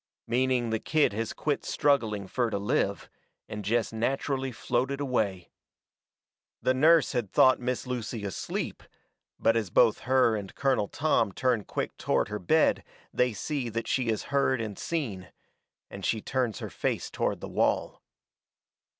Meaning the kid has quit struggling fur to live, and jest natcherally floated away. The nurse had thought Miss Lucy asleep, but as both her and Colonel Tom turn quick toward her bed they see that she has heard and seen, and she turns her face toward the wall.